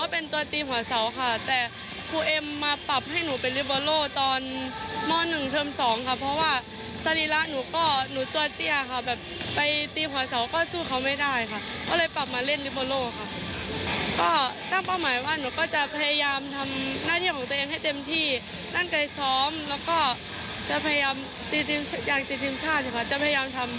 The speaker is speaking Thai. พยายามทำให้ได้